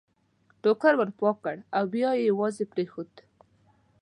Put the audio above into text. ټوکر ور پاک کړ او بیا یې یوازې پرېښود.